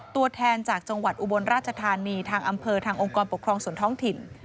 ตัวแทนจากจังหวัดอุบลราชธานีทางอำเภอทางองค์กรปกครองส่วนท้องถิ่น